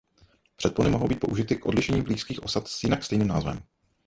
Předpony mohou být použity k odlišení blízkých osad s jinak stejným názvem.